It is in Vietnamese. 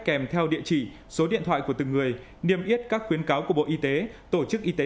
kèm theo địa chỉ số điện thoại của từng người niêm yết các khuyến cáo của bộ y tế tổ chức y tế